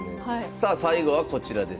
さあ最後はこちらです。